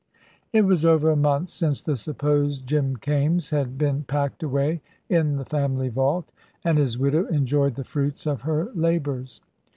It was over a month since the supposed Jim Kaimes had been packed away in the family vault, and his widow enjoyed the fruits of her labours.